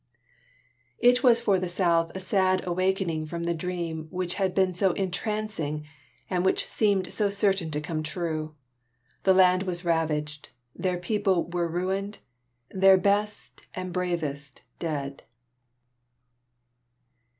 It was for the South a sad awakening from the dream which had been so entrancing and which seemed so certain to come true. Their land was ravaged, their people were ruined, their best and bravest dead.